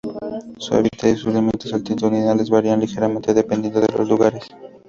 Su hábitat y sus límites altitudinales varían ligeramente dependiendo de los lugares.